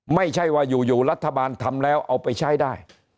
ไม่ใช่ว่าอยู่รัฐบาลทำแล้วเอาไปใช้ได้